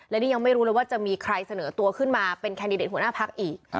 และนี่ยังไม่รู้เลยว่าจะมีใครเสนอตัวขึ้นมาเป็นแคนดิเดตหัวหน้าพักอีก